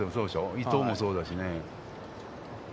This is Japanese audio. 伊藤もそうだしね。